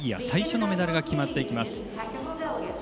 最初のメダルが決まっていきます。